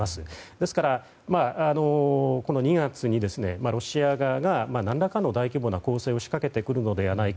ですから、２月にロシア側が何らかの大規模な攻勢を仕掛けてくるのではないか。